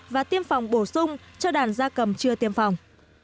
và tiêm phòng bổ sung cho đàn da cầm chưa tiêm phòng